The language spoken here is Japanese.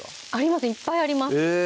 いっぱいあります